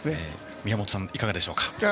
宮本さん、いかがでしょう。